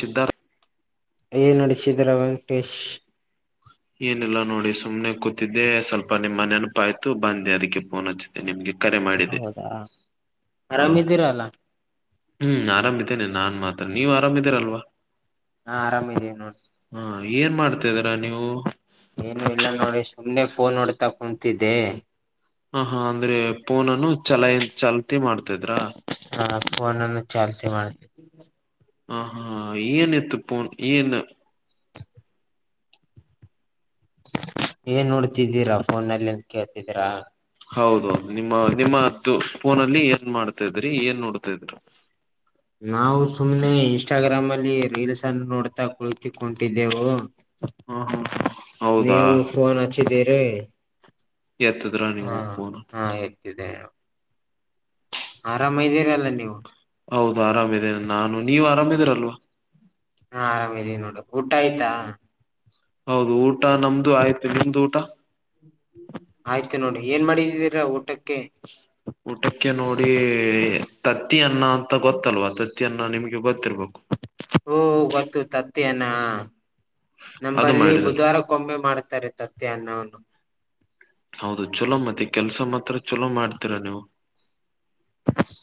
ಸಿದ್ಧಾರ್ಥ ಏನ್ ನಡಸಿದ್ರ ವೆಂಕಟೇಶ್ ಏನಿಲ್ಲ ನೋಡಿ ಸುಮ್ನೆ ಕೂತಿದ್ದೆ ಸ್ವಲ್ಪ ನಿಮ್ಮ್ನೆೆನಪ ಆ್ತು ಬಂದೆ ಅದಕ್ಕೆ ಫೋನ್ ಹಚ್ಚ ನಿಮ್ಗೆ ಕರೆ ಮಾಡಿದೆ ಹೌದಾ ಆರಾಮಿದ್ದೀರಲ್ಲ ಹ್ಮ್ ಆರಾಮಿದ್ದೇನೆ ನಾನ್ ಮಾತ್ರ ನೀವು ಆರಾಮಿದೀರಲ್ವಾ ಹಾ ಆರಾಮ ಇದೇವಿ ನೋಡಿ ಹಾ ಏನ್ ಮಾಡ್ತಾದೀರ ನೀವು ಏನು ಇಲ್ಲ ನೋಡ್ರಿ ಸುಮ್ನೆ ಫೋನ್ ಹೊೋಡ್ತಾ ಕುತಿದ್ದೆ ಹ ಹಾ ಅಂದ್ರೆ ಪಫೋನನು ಚಲ ಚಲ್ತಿ ಮಾಡ್ತಿದ್ರ ನಾಪ್ಪನ್ನನ್ನು ಚಾಲ್ಸ ಮಾಡಿ ಹ ಹಾ ನ್ತ್ತುಪ್ಪನ್ ನ್ ಏನ್ ನೋಡ್ತಿದ್ದೀರಾ ಫೋನ್ಲ್ಲಿ ಎನ್ ಕೇಳ್ತಿದೀರಾ ಹೌದುೌದು ನಿಮ್ಮ ನಿಮ್ಮ್ದು ಫೋನಲ್ಲಿ ಏನ್ ಮಾಡ್ತಾ ಇದ್ರಿ ಏನ್ ನೋಡ್ತಾ ಇದರು ನಾವು ಸುಮ್ನೆ ಇನ್ಸ್ಟಾಗ್ರಾಮ್ ಅಲ್ಲಿ ರೀಲ್ಸ್ ಅನ್ನು ನೋಡ್ತಾ ಕುಳಿತಿಕಟಿದ್ದೆವು ಹ್ಮ ಹ್ಮ ನೀವು ಫೋನ್ ಹಚ್ಚಿದ್ದೀರಿ ಎತ್ತದ್ರ ನೀವು ಹ ಫೋನ್ ಹ ಇದಿದೆ ಇದ್ದೀರಲ್ಲ ನೀವು ಹೌದು ಆರಾಮದೆೇನೆ ನಾನು ನೀವ ಆರಾಮಿದೀರಲ್ವಾ ಹಾ ಆರಾಮ ಇದೀವಿ ನೋಡು ಊಟ ಆಯ್ತಾ ಹೌದು ಊಟ ನಮ್ದು ಆಯ್ತು ನಿಮ್ದು ಊಟ ಆಯ್ತು ನೋಡಿ ಏನ್ ಮಾಡಿದಿದೀರಾ ಊಟಕ್ಕೆ ಊಟಕ್ಕೆ ನೋಡಿ ತತ್ತಿ ಅನ್ನ ಅಂತ ಗೊತ್ತಲ್ವಾ ತತ್ತ ಅನ್ನ ನಿಮ್ಗೆ ಗೊತ್ತಿರ್ಬೇಕು ಹಓ ಗೊತ್ತು ತತ್ತ ಅನಾ ಅದು ನಮಂಬಲ್ಲಿ ಮಾಡಿದ ಬುಧವಾರಕ್ಕಂಬೆ ಮಾಡ್ತಾರೆ ತ ನ್ನ ಹೌದು ಚಲೋ ಮತ್ತೆ ಕೆಲ್ಸ ಮಾತ್ರ ಚಲೋ ಮಾಡ್ತೀರಾ ನೀವು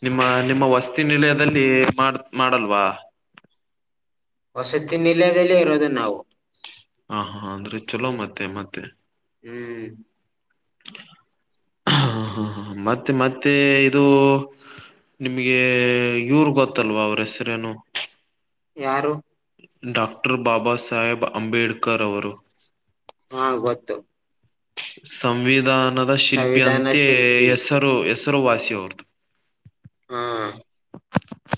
ನಿಮ್ಮ ನಿಮ್ಮ ವಸ್ತಿ ನಿಲಯದಲ್ಲಿ ಮಾಡ ಮಾಡಲ್ವಾ ವಸತಿ ನಿಲಯದಲ್ಲಿ ಇರೋದು ನಾವು ಹ ಹಾ ಅಂದ್ರೆ ಚಲೋ ಮತ್ತೆ ಮತ್ತೆ ಹ್ಮ್ ಹ ಹೂ [unintelligible] ಮತ್ತೆ ಮತ್ತೆ ಇದು. ನಿಮಗೆ ಇವರು ಗೊತ್ತಲ್ವಾ ಅವ್ರ ಹೆಸರೇನು. ಯಾರು ಡಾಕ್ಟರ್ ಬಾಬ ಸಾಹೇಬ್ ಅಂಬೇಡ್ಕರ್ ಅವರು ಹಾ ಗೊತ್ತು. ಸಂವಿಧಾನದ ಶಿಲ್ಪಿ ಸಂವಿಧಾನ ಅಂತೆ ಶಿಲ್ಪಿ ಹೆಸರು ಹೆಸರುವಾಸಿಯ ಅವ್ರದು. ಹಾ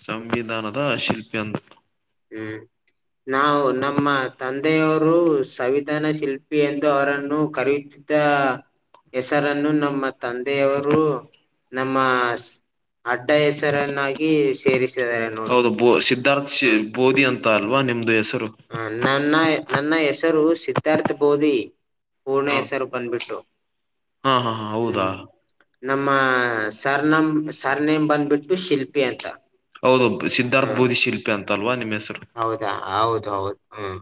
ಸಂವಿಧಾನದ ಶಿಲ್ಪಿ ಅಂದರು. ಹು ನಾವು ನಮ್ಮ ತಂದೆಯವರು ಸಂವಿಧಾನ ಶಿಲ್ಪಿ ಎಂದು ಅವರನ್ನು ಕರೆಯುತ್ತೇವೆ. ತ್ತಾ ಹೆಸರನ್ನು ನಮ್ಮ ತಂದೆಯವರು ನಮ್ಮ ಅಡ್ಡ ಹೆಸರನ್ನಾಗಿ ಸೇರಿಸಿದ್ದಾರೆ ನೋಡಿ ಹೌದು ಸಿದ್ಧಾರ್ಥ್ ಸಿ ಹ ಬೋಧಿ ಅಂತ ಅಲ್ವಾ ನಿಮ್ಮದೇ ಹೆಸರು. ಹ ನನ್ನ ನನ್ನ ಹೆಸರು ಸಿದ್ಧಾರ್ಥ ಬೋದಿ ಪೂರ್ಣ ಹ ಹೆಸರು ಬಂದ್ಬಿಟ್ಟು. ಹಾ ಹಾ ಹಾ ಹ್ಮ್ ಹೌದಾ.. ನಮ್ಮ ಸರ್ ನಮ ಸರ್ ನೇಮ್ ಬಂದ್ಬಿಟ್ಟು ಶಿಲ್ಪಿ ಅಂತ. ಹೌದು ಸಿದ್ಧಾರ್ಥ ಹ್ಮ ಬೋದಿ ಶಿಲ್ಪಿ ಅಂತಲ್ವಾ ನಿಮ್ಮ್ ಹೆಸರು. ಹೌದಾ ಹೌದು ಹೌದು ಹ್ಮ್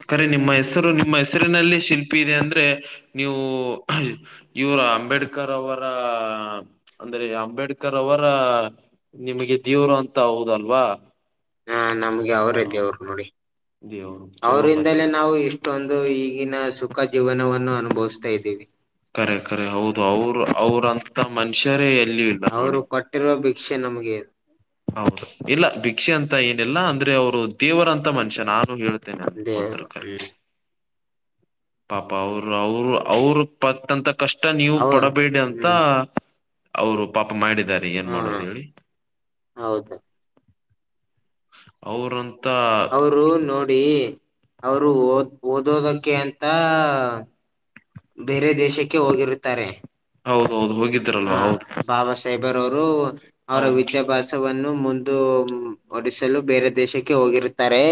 ಅಕ್ಕೋರೆ ನಿಮ್ಮ ಹೆಸರು ನಿಮ್ಮ ಹೆಸರಿನಲ್ಲಿ ಶಿಲ್ಪಿ ಇದೆ ಅಂದ್ರೆ ನೀವು ಹ್ಮ್ಮ್. ಇವರ ಅಂಬೇಡ್ಕರ್ ಅವರ ಅಂದ್ರೆ ಅಂಬೇಡ್ಕರ್ ಅವರ ನಿಮಗೆ ದೇವ್ರು ಅಂತ ಹೌದಲ್ವಾ.. ಹಾ ನಮ್ಗೆ ಅವ್ರೇ ದೇವರ್ ನೋಡಿ. ದೇ ಚಲೋ ಅವರಿಂದಲೇ ನಾವು ಇಷ್ಟೊಂದು ಈಗಿನ ಸುಖ ಜೀವನವನ್ನು ಅನುಭವಿಸ್ತಾ ಇದ್ದೀವಿ ಕರೆ ಕರೆ ಹೌದು ಅವರು ಅವ್ರಂತ ಮನುಷ್ಯರೇ ಎಲ್ಲಿ ಇಲ್ಲ. ನನ್ ಅವರು ನೋಡಿ ಕೊಟ್ಟಿರುವ ಭಿಕ್ಷೆ ನಮಗೆ ಹೌದು. ಇಲ್ಲ ಭಿಕ್ಷೆ ಅಂತ ಏನಿಲ್ಲ ಅಂದ್ರೆ ಅವರು ದೇವರ ಅಂತ ಮನುಷ್ಯ. ಛೇ ನಾನು ಹೇಳ್ತೇನೆ ಅಲ್ಲಿಗೆ ಮಾತ್ರ ದೇವರು ಕರಿ. ಹ್ಮ್ ಪಾಪ ಅವರು ಅವರು ಅವ್ರೂ ಪಟ್ಟಂತಾ ಕಷ್ಟ ನೀವು ಅವ ಪಡಬೇಡಿ ಅಂತ.. ಹ್ಮ್ ಅವರು ಪಾಪ ಮಾಡಿದ್ದಾರೆ ಏನ್ ಹಾ ಮಾಡೋದು ಹೇಳಿ ಹೌದು ಅವ್ರಂತಾ ಅವರು ನೋಡಿ ಅವರು ಓದ್ ಓದೋದಕ್ಕೆ ಉದ್ಯೋಗಕ್ಕೆ ಅಂತ ಅಂತಾ.. ಬೇರೆ ದೇಶಕ್ಕೆ ಹೋಗಿರುತ್ತಾರೆ. ಹೌದೌದು ಹೋಗಿದ್ದರಲ್ವಾ ಹ ಹೌದು. ಬಾಬಾ ಸಾಹೇಬರ್ ಅವರು ಅವರ ವಿದ್ಯಾಭ್ಯಾಸವನ್ನು ಮುಂದು ಒಡಿಸಲು ಬೇರೆ ದೇಶಕ್ಕೆ ಹೋಗಿರುತ್ತಾರೆ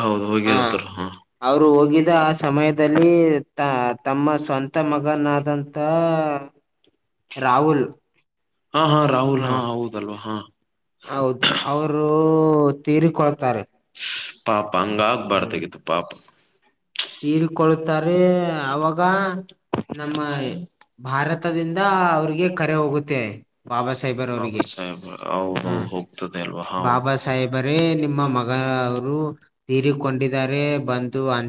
ಹೌದು ಹ ಹೋಗಿರ್ತರಾ ಹಾ ಅವರು ಹೋಗಿದ ಆ ಸಮಯದಲ್ಲಿ ತ ತ ನಮ್ಮ ಸ್ವಂತ ಮಗನಾದಂತ ರಾಹುಲ್ ಹಾ ಹಾ ಹ ರಾಹುಲ್ ಹಾ ಹೌದಲ್ವಾ ಹಾ ಓ ಓ ಓ ತೀರಿಕೊಳ್ತಾರೆ. ಪಾಪ ಹ್ಮ್ ಹಂಗಾಗಬಾರದಾಗಿತ್ತು ಪಾಪ.. ಈ ತೀರಿಕೊಳ್ಳುತ್ತಾರೆ ಅವಾಗ ನಮ್ಮ ಭಾರತದಿಂದ [inaudible] ಅವ್ರಿಗೆ ಕರೆ ಹೋಗುತ್ತೆ ಬಾಬಾ ಸಾಹೇಬರ್ ಅವರಿಗೆ ಆರ್ತದೆ ಹ್ಮ ಅಲ್ವಾ ಹೌ ಬಾಬಾ [inaudible] ಸಾಹೇಬರೇ ನಿಮ್ಮ ಮಗ ಅವರು ತೀರಿಕೊಂಡಿದ್ದಾರೆ ಬಂದು ಅ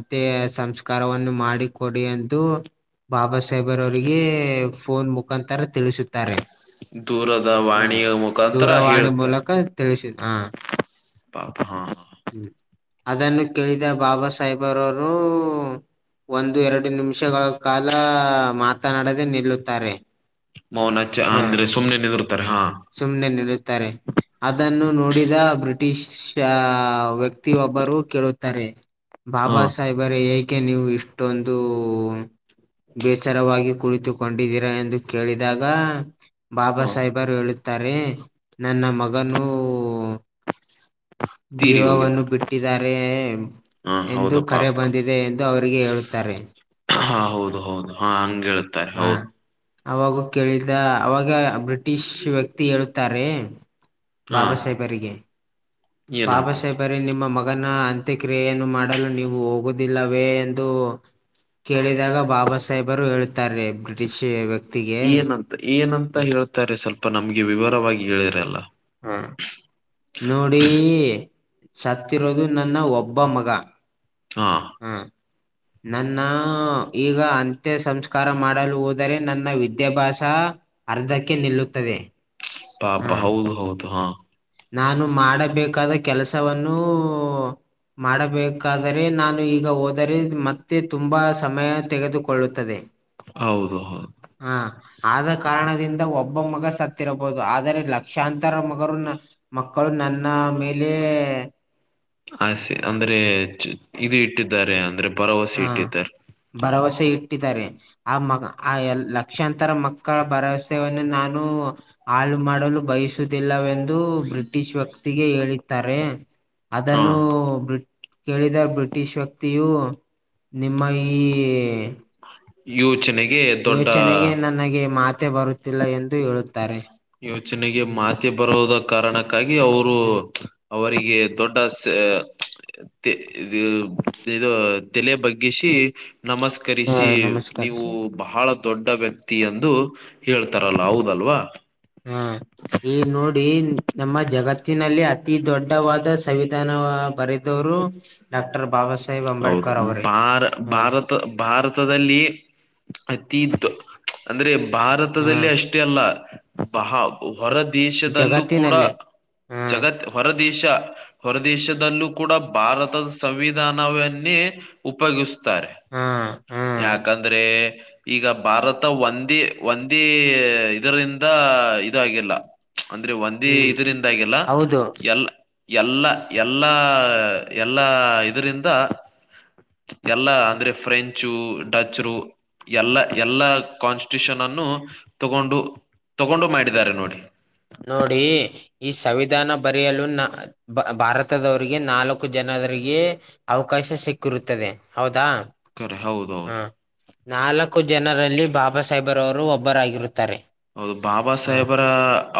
ಸಂಸ್ಕಾರವನ್ನು ಮಾಡಿ ಕೊಡಿ ಎಂದು ಬಾಬಾ ಸಾಹೇಬರ್ ಬಾಲಶೇಖರ ಅವರಿಗೆ ಫೋನ್ ಮುಖಾಂತ ಮುಖಾಂತರ ತಿಳಿಸುತ್ತಾರೆ ತಿಳಾರೆ [inaudible] ದೂರದ ಹ್ಮ್ ವಾಣಿಯ ಮುಖಾಂತರ ಹೇಳ್ತಾರೆ. ಹಾ ಹಾ ಹ ಅದನ್ನು ಕೇಳಿದ ಬಾಬಾ ಸಾಹೇಬ್ರವರು. ಒಂದು ಎರಡು ನಿಮಿಷಗಳ ಕಾಲ ಮಾತನಾಡದೆ ನಿಲ್ಲುತ್ತಾರೆ. ಮೌನ ಚಾ ಅಂದ್ರೆ ಸುಮ್ನೆ ನಿಂದರ್ತಾರೆ ಹಾ. ಸುಮ್ಮ್ನೆ ನಿಲ್ಲುತ್ತಾರೆ ಅದನ್ನು ನೋಡಿದ ದ ಬ್ರಿಟಿಷ್ ವ್ಯಕ್ತಿಯೊಬ್ಬರು ಕೇಳುತ್ತಾರೆ. ಹಾ ಬಾಬಾ ಸಾಹೇಬರ ಏಕೆ ನೀವು ಇಷ್ಟೊಂದು ಬೇಸರವಾಗಿ ಕುಳಿತುಕೊಂಡಿದ್ದೀರಾ ಎಂದು ಕೇಳಿದಾಗ ಬಾಬಾ ಸಾಹೇಬರು ಹೇಳ ತಾರೆ ನನ್ನ ಮಗನು ತೀರಿ ಹೋಗ್ಯದ ಜೀವವನ್ನು ಬಿಟ್ಟಿದ್ದಾರೆ. ಹಾ ಎಂದು ಹೌದು ಕರೆ ಪಾಪ ಬಂದಿದೆ ಎಂದು ಅವರಿಗೆ ಹೇಳುತ್ತಾರೆ. ಹಾ ಹೌದು ಹೌದು ಹಾ ಹಂಗ ಹೇಳ್ತಾ ಹ್ಮ ಅವಾಗ ಕೇಳಿದ ಅವಾಗ ಬ್ರಿಟಿಷ್ ವ್ಯಕ್ತಿ ಹೇಳತ್ತಾರೆ. ಹಾ ಬಾಬಾಸಹೇಬರಿಗೆ ಏನಂತ ಬಾಬಾಸಹೇಬರ ನಿಮ್ಮ ಮಗನ ಅಂತ್ಯಕ್ರಿಯೆಯನ್ನು ಮಾಡ ಮಾಡಲು ನೀವು ಹೋಗುವುದಿಲ್ಲವೇ ಎಂದು ಕೇಳಿದಾಗ ಬಾಬಾ ಸಾಹೇಬರು ಹೇಳ ಏನಂತ ಏನಂತ ಹೇಳ್ತಾರೆ ಸ್ವಲ್ಪ ನಮ್ಗೆ ವಿವರವಾಗಿ ಹೇಳಿರಲ್ಲ. ಹ್ಮ ನೋಡಿ ಸತ್ತಿರೋದು ನನ್ನ ಒಬ್ಬ ಮಗ. ಹಾ ಹ್ಮ ನನ್ನ ಈಗ ಅಂತ್ಯ ಸಂಸ್ಕಾರ ಮಾಡಲು ಹೋದರೆ ನನ್ನ ವಿದ್ಯಾಭ್ಯಾಸ. ಅರ್ಧಕ್ಕೆ ನಿಲ್ಲುತ್ತದೆ. ಪಾಪ ಹೌದು ಹೌದು ಹಾ. ನಾನು ಮಾಡಬೇಕಾದ ಕೆಲ್ಸವನ್ನು ಮಾಡಬೇಕಾದರೆ ಮಾಡಕಬೇಕಾದರೆ ನಾನ ನಾನು ಈಗ ಹದ್ರ ಹೋದರೆ ಮತ್ತೆ ತುಂಬಾ ಸಮಯ ತೆಗೆದುಕೊಳ್ಳುತ್ತದೆ [unintelligible] ಹೌದುದು. ಹಾ ಆ ಆದ ಕಾರಣದಿಂದ ಒಬ್ಬ ಮಗ ಒಬ್ಬೊಮ್ಮಗ ಸತ್ತ ಸತ್ತಿರಬಹುದು ಇರ್ಬೋದು ಆದ್ರ ಆದರೆ ಲಕ್ಷಾಂತರ ಮಗರು ನ- ಮಕ್ಕಳು ನನ್ನ ಮೇಲೆ [unintelligible] ಆಸೆ ಅಂದ್ರೆ ಇದು ಇಟ್ಟಿದ್ದಾರೆ ಅಂದ್ರೆ ಭರವಸೆ ಹ ಇಟ್ಟಿದ್ದಾರೆ. ಭರವಸೆ ಇಟ್ಟಿದ್ದಾರೆ ಆ ಮ ಆ ಲಕ್ಷಾಂತರ ಮಕ್ಕ ಭರವಸನ್ನ ನಾನು. ಹಾಳು ಮಾಡಲು ಬಯಸುವುದಿಲ್ಲವೆಂದು ಬ್ರಿಟಿಷ್ ವ್ಯಕ್ತಿಗೆ ಹೇಳಿದ್ದಾರೆ. ಅದನ್ನು ಬ್ರಿ ಕೇಳಿದ ಬ್ರಿಟಿಷ್ ವ್ಯಕ್ತಿಯು ನಿಮ್ಮ ಈ ಯೋಚನೆಗೆ ದೊಡ್ಡ ಯೋಚನೆಗೆ ನನಗೆ ಮಾತೆ ಬರುತ್ತಿಲ್ಲ ಎಂದು ಹೇಳುತ್ತಾರೆ. ಯೋಚನೆಗೆ ಮಾತೆ ಬರುವುದ ಕಾರಣಕ್ಕಾಗಿ ಅವರು ಅವರಿಗೆ ದೊಡ ಸ ತಿ ಇದು ಇದು ತಲೆ ಬಗ್ಗಿಸಿ ಹಾ ನಮಸ್ಕರಿಸಿ ನಮಸ್ಕಾರ ನೀವು ಸರ್ ಬಹಳ ದೊಡ್ಡ ವ್ಯಕ್ತಿ ಎಂದು ಹೇಳ್ತಾರಲ್ಲ ಹೌದಲ್ವಾ. ಹಾ ಈ ನೋಡಿ ಹ ಜಗತ್ತಿನಲ್ಲಿ ಅತಿ ದೊಡ್ಡವಾದ [unintelligible] ಡಾಕ್ಟರ್ ಬಾಬಾ ಸಾಹೇಬ್ [unintelligible] ಹೌದು ಅಂಬೇಡ್ಕರ್ ಅವರೇ ಬಾರ ಹ ಬಾರ ಭಾರತದಲ್ಲಿ ಅತಿ ದ ಅಂದ್ರೆ ಹ ಭಾರತದಲ್ಲಿ ಅಷ್ಟೇ ಅಲ್ಲ ಬಹ ಹೊರ ದೇಶದಲ್ಲೂ ಕೂಡ. ಜಗತ್ತಿನಲ್ಲೇ ಹಾ ಜಗತ್ ಹೊರ ದೇಶ ಹೊರ ದೇಶದಲ್ಲೂ ಕೂಡ ಭಾರತ್. ಸಂವಿಧಾನವನ್ನೇ ಉಪಯೋಗಿಸತಾರೆ ಹಾ ಹಾ ಯಾಕಂದ್ರೆ. ಈಗ ಭಾರತ ಒಂದೇ ಒಂದೇ ಇದರಿಂದ. ಇದ ಆಗಿಲ್ಲ ಅಂದ್ರೆ ಒಂದೇ ಹ್ಮ್ ಇದರಿಂದ ಆಗಿಲ್ಲ ಹೌದು ಎಲ್ಲ. ಎಲ್ಲ ಎಲ್ಲ ಎಲ್ಲಾ ಇದರಿಂದ. ಎಲ್ಲಾ ಅಂದ್ರೆ ಫ್ರೆಂಚು ಡಚ್ರು ಎಲ್ಲ ಎಲ್ಲಾ ಕಾನ್ಸ್. ಟ್ಯೂಷನ್ನ್ನು ತಗೊಂಡು ತಗೊಂಡು ಮಾಡಿದ್ದಾರೆ ನೋಡಿ. ನೋಡಿ. ಈ ಸವಿಧಾನ ಬರೆಯಲು ನ ಭಾರತದವರಿಗೆ ನಾಲ್ಕು ಜನರಿಗೆ. ಅವಕಾಶ ಸಿಕ್ಕಿರುತ್ತದೆ ಹೌದಾ ಕರೆ ಹೌದೌದು ಹ ನಾಲಕ್ಕು. ಜನರಲ್ಲಿ ಬಾಬಾ ಸಾಹೇಬರವರು ಒಬ್ಬರಾಗಿರುತ್ತಾರೆ. ಹೌದು ಬಾಬಾ ಹ ಸಾಹೇಬರ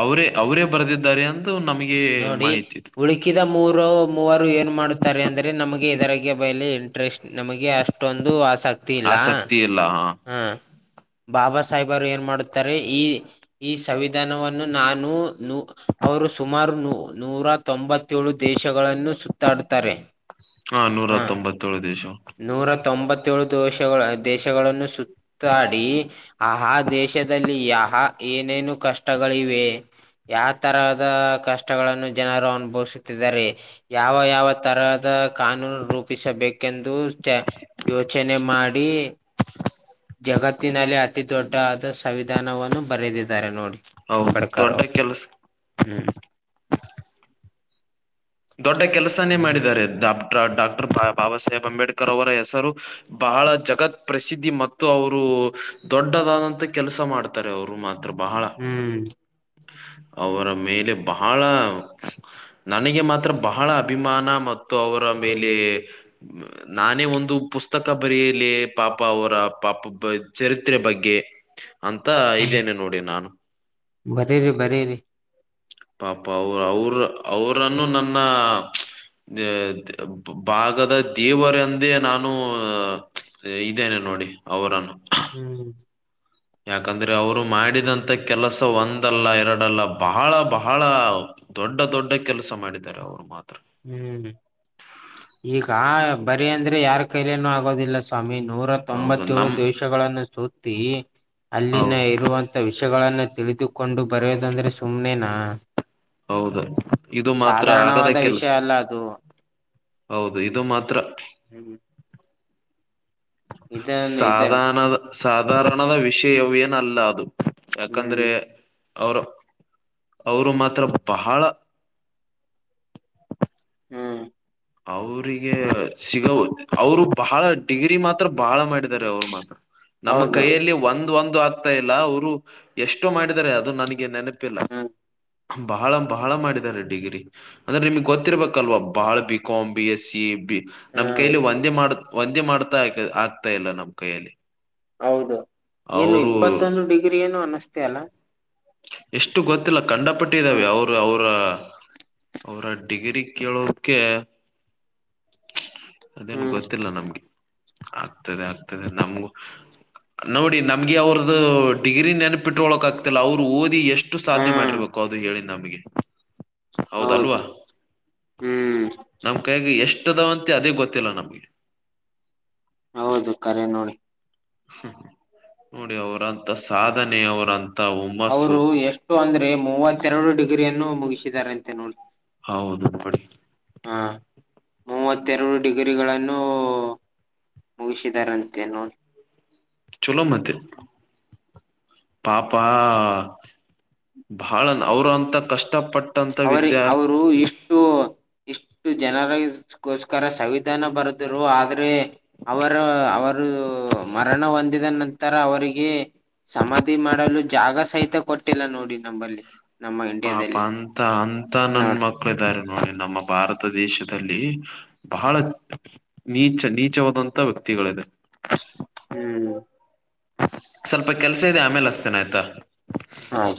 ಅವರೇ ಅವರೇ ಬರೆದಿದ್ದಾರೆ ಅಂತ ನಮಗೆ. ನೋಡಿ ಮಾಹಿತಿ ಹುಳಿಕಿದ ಮೂರು ಮೂವರು ಏನ್ ಮಾಡುತ್ತಾರೆ ಅಂದ್ರೆ ನಮಗೆ ಇದೆ. ಇದರಗೆ ಬಯಲಿ. ಟ್ರಸ್ಟ್ ನಮಗೆ ಅಷ್ಟೊಂದು ಆಸಕ್ತಿ ಇಲ್ಲ. ಆಸಕ್ತಿ ಇಲ್ಲ ಹಾ. ಹಾ ಬಾಬಾ ಸಾಹೇಬರು ಏನ್ ಮಾಡುತ್ತ. ತರೆ ಈ ಈ ಸವಿಧಾನವನ್ನು ನಾನು ನು ಅವರು ಸುಮಾರು ನು. ನೂರ ತೊಂಬತ್ತೇಳು ದೇಶಗಳನ್ನು ಸುತ್ತಾಡುತ್ತಾರೆ. ಹಾ ನೂರ ಹ ಹತ್ತೊಂಬತ್ತೇಳು ದೇಶ ನೂರ ತೊಂಬತ್ತಏೇಳು ದೋಶಗಳ ದೇಶಗಳನ್ನು ಸು. ತ್ತಾಡಿ ಆಹ ದೇಶದಲ್ಲಿ ಯಹ ಏನೇನು ಕಷ್ಟಗಳಿವೆ. ಯ ತರಹದ ಕಷ್ಟಗಳನ್ನು ಜನರು ಅನುಭವಿಸುತ್ತಿದ್ದಾರೆ. ಯಾವ ಯಾವ ತರಹದ ಕಾನೂನು ರೂಪಿಸಬೇಕೆಂದು ತ. ಯೋಚನೆ ಮಾಡಿ. ಜಗತ್ತಿನಲ್ಲಿ ಅತಿ ದೊಡ್ಡಾ ಆದ ಸವಿಧಾನವನ್ನು ಬರೆದಿದ್ದಾರೆ ನೋಡಿ. ಹೌದು ಅಂಬೇಡ್ಕರ್ ದೊಡ್ಡ ಕೆಲಸ ಹ್ಮ್. ದೊಡ್ಡ ಕೆಲಸನೇ ಮಾಡಿದ್ದಾರೆ ಡಾಬ್ಟ್ಟರ್ ಡಾಕ್ಟರ್ ಬಾಬಾ ಸಾಹೇಬ್ ಅಂಬೇಡ್ಕರ್ ಅವರ ಹೆಸರು. ಬಹಳ ಜಗತ್ ಪ್ರಸಿದ್ಧಿ ಮತ್ತು ಅವರು. ದೊಡ್ಡದಾದಂತ ಕೆಲಸ ಮಾಡ್ತಾರೆ ಅವರು ಮಾತ್ರ ಬಹಳ. ಹ್ಮ್ ಅವರ ಮೇಲೆ ಬಹಳ ನನಗೆ ಮಾತ್ರ. ಬಹಳ ಅಭಿಮಾನ ಮತ್ತು ಅವರ ಮೇಲೆ ಮ್. ನಾನೇ ಒಂದು ಪುಸ್ತಕ ಬರೆಯಲೆ ಪಾಪ ಅವರ ಪಾಪ ಚರಿತ್ರೆ ಬಗ್ಗೆ. ಅಂತ ಇದೆನೆ ನೋಡಿ ನಾನು. ಬರಿರಿ ಬರಿರಿ. ಪಾಪ ಅವ್ ಅವ್ರ ಅವ್ರನ್ನು ನನ್ನ ಛ್. ಭಾಗದ ದೇವರೆಂದೇ ನಾನು ಇದೆನೆ ನೋಡಿ ಅವರನ್ನು. ಹ್ಮ್. ಯಾಕಂದ್ರೆ ಅವರು ಮಾಡಿದಂತ ಕೆಲಸ ಒಂದಲ್ಲ ಎರಡಲ್ಲ ಬಹಳ ಬಹಳ. ದೊಡ್ಡ ದೊಡ್ಡ ಕೆಲಸ ಮಾಡಿದ್ದಾರೆ ಅವರು ಮಾತ್ರ. ಹ್ಮ್. ಈಗ ಬರಿ ಅಂದ್ರೆ ಯಾರ್ ಕೈಲನುೂ ಆಗೋದಿಲ್ಲ ಸ್ವಾಮಿ ನೂರ ಹೌದು ತೊಂಬತ್ತೆಳು ನಮ್ ದೇಶಗಳನ್ನು. ಸುತ್ತಿ. ಅಲ್ಲಿನ ಹೌದು ಇರುವಂಥ ವಿಷಯಗಳಗಳನ್ನು ತಿಳಿದುಕೊಂಡು ಬರೆಯೋದಂದ್ರೆ ಸುಮ್ನೆನಾ. ಹೌದ ಇದು ಮಾತ್ರ ಆಗದ ಸಾಧಾರಣವಾದ ಕೆಲಸ. ವಿಷಯ ಅಲ್ಲ ಅದು. ಹೌದು ಇದು ಮಾತ್ರ ಹ್ಮ ಇದನ್ನು ಇದ ಸಾಧಾರಣದ ಸಾಧಾರಣದ ವಿಷಯವು ಏನ ಅಲ್ಲ ಅದು ಯಾಕಂದ್ರೆ ಹ್ಮ್ ಅವ್ರ ಅವರು ಮಾತ್ರ ಬಹಳ ಹ್ಮ್ ಅವ್ರಿಗೆ ಸಿಗ ಅವರು ಬಹಳ ಡಿಗ್ರಿ ಮಾತ್ರ ಬಹಳ ಮಾಡಿದ ಇದಾರೆ ಅವರು ಮಾತ್ರ ನಮ್ಮ ಹೌದು ಹ್ಮ ಕೈಯಲ್ಲಿ ಒಂದ್ ಒಂದು ಆಗ್ತಾ ಇಲ್ಲ ಅವರು ಎಷ್ಟು ಮಾಡಿದಿದ್ದಾರೆ ಅದು ನನಗೆ ನೆನಪಿಲ್ಲ ಬಹಳ ಬಹಳ ಮಾಡಿದ್ದಾರೆ ಡಿಗ್ರಿ ಅಂದ್ರೆ ನಿಮಗ್ ಗೊತ್ತಿರ್ಬೇಕಲ್ವಾ ಬಹಳ ಬಿ ಕಾಂಬಿ ಎಸ್ ಸಿ ಬಿ ನಮ್ ಹ್ಮ್ ಕೈಲಿ ಒಂದೇ ಮಾಡ ಒಂದೇ ಮಾಡ್ತಾ ಆಗ್ತಾ ಇಲ್ಲ ನಮ್ಮ್ ಕೈಯಲ್ಲಿ ಹೌದು ಏನು ಅವರು ಇಪ್ಪತ್ತೊಂದು ಡಿಗ್ರಿ ಏನು ಅನಸ್್ತ ಅಲ್ಲಾ ಎಷ್ಟು ಗೊತ್ತಿಲ್ಲ ಕಂಡ ಪಟ್ಟಿದ್ದಾವ ಹ್ಮ್ ಅವ್ರು ಅವರ ಅವರ ಡಿಗ್ರಿ ಕೇಳೋಕ್ಕೆ ಅದೇನ್ ಗೊತ್ತಿಲ್ಲ ನಮ್ಗೆ ಆಗ್ತದೆ ಆಗ್ತದೆ ನಮಗು ನೋಡಿ ನಮ್ಗೆ ಹ್ಮ್ ಅವ್ರದ ಡಿಗ್ರಿ ನೆನಪಿಟ್ಕೋಳಕ್ ಆಗ್ತಿಲ್ಲ ಅವ್ರು ಓದಿ ಎಷ್ಟು ಸಾಧ್ನೆ ಹ್ಮ್ ಮಾಡಿರ್ಬೇಕು ಹಕೋದು ಹೇಳಿ ನಮಗೆ ಹೌದಲ್ವಾ ಹೌದು ಹ್ಮ್ ನಮ್ ಕೈಗೆ ಎಷ್ಟ ಅದಾವಂತೆ ಅದೇ ಗೊತ್ತಿಲ್ಲ ನಮ್ಗೆ ಹೌದು ಕಖರೆ ನೋಡಿ ನೋಡಿ ಅವರಂತ ಸಾಧನೆ ಅವರಂತ ತಾವ್ ಉಮ್ಮ ಸು ಅವರು ಎಷ್ಟು ಅಂದ್ರೆ ಮೂವತ್ತೆರಡು ಡಿಗ್ರಿಯನ್ನು [unintelligible] ಮುಗಿಸಿದಾರಂತೆ ನೋಡಿ ಹೌದು ನಡಿ ಗಳನ್ನು ಮುಗಿಸಿದಾರಂತೇನು ಚಲೋ ಮತ್ತೆ ಪಾಪಾ ಬಹಳ ಅವರು ಅಂತ ಕಷ್ಟಪಟ್ಟಂತ ಅವರಿ ವಿದ್ಯಾರ್ಥಿ ಅವರು ಇಷ್ಟು ಇಷ್ಟು ಜನರಗೋಸ್ಕರ ಸಂವಿಧಾನ ಬರುದರು ಆದ್ರೆ ಅವರ ಅವರು ಮರಣ ಹೊಂದಿದ ನಂತರ ಅವರಿಗೆ ಸಮಾಧಿ ಮಾಡಲು ಜಾಗ ಸಹಿತ ಕೊಟ್ಟಿಲ್ಲ ನೋಡಿ ನಂಬಲ್ಲಿ ಪಾಪ ಅಂತ ಅಂತ ನನ್ ನೋಡಿ ಮಕ್ ಮಳಿದ್ದಾರೆ ನೋಡಿ ನಮ್ಮ ಭಾರತ ದೇಶದಲ್ಲಿ ಬಹಳ ನೀಚ ನೀಚವಾದಂತ ವ್ಯಕ್ತಿಗಳಿದೆ. ಹ್ಮ್ ಸ್ವಲ್ಪ ಕೆಲ್ಸ ಇದೆ ಆಮೇಲೆ ಅಸ್ತೇನೆ ಆಯ್ತಾ ಹಾ